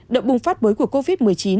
động bùng phát mới của covid một mươi chín